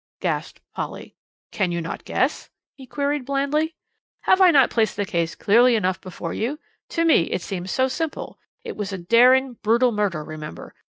gasped Polly. "Cannot you guess?" he queried blandly. "Have I not placed the case clearly enough before you? To me it seems so simple. It was a daring, brutal murder, remember.